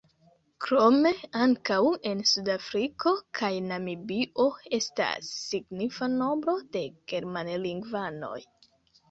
Krome ankaŭ en Sud-Afriko kaj Namibio estas signifa nombro de germanlingvanoj.